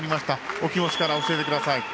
お気持ちから教えてください。